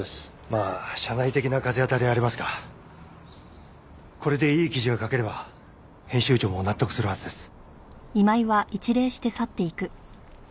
まあ社内的な風当たりはありますがこれでいい記事が書ければ編集長も納得するはずです。